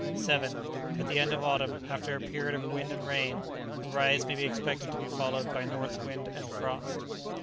7. At the end of autumn, after a period of wind and rain, a rise may be expected to be followed by north wind and frost.